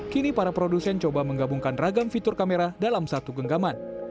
kini para produsen coba menggabungkan ragam fitur kamera dalam satu genggaman